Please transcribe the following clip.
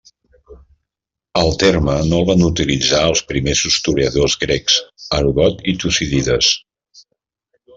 El terme no el van utilitzar els primers historiadors grecs, Heròdot i Tucídides.